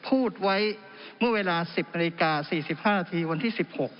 พูดไว้เมื่อเวลา๑๐นาฬิกา๔๕นาทีวันที่๑๖